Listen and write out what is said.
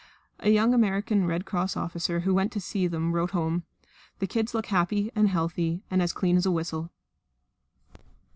A young American Red Cross officer who went to see them wrote home, "The kids look happy and healthy and as clean as a whistle."